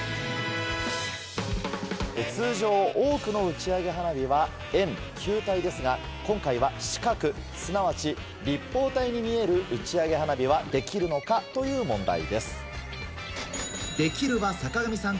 通常多くの打ち上げ花火は円球体ですが今回は四角すなわち立方体に見える打ち上げ花火はできるのか？という問題です。